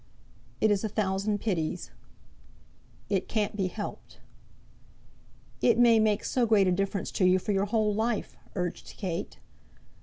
"It is a thousand pities." "It can't be helped." "It may make so great a difference to you for your whole life!" urged Kate.